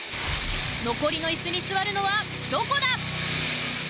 残りの椅子に座るのは、どこだ？